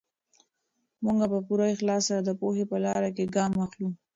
موږ په پوره اخلاص سره د پوهې په لاره کې ګام اخلو.